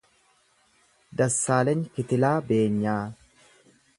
Dassaaleny Kitilaa Beenyaa